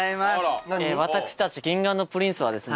私たちＫｉｎｇ＆Ｐｒｉｎｃｅはですね